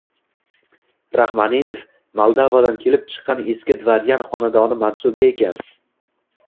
Raxmaninov Moldovadan kelib chiqqan eski dvoryan xonadoni mansubi ekan